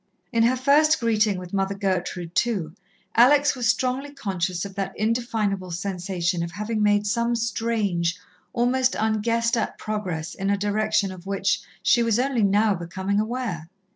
In her first greeting with Mother Gertrude, too, Alex was strongly conscious of that indefinable sensation of having made some strange, almost unguessed at progress in a direction of which she was only now becoming aware.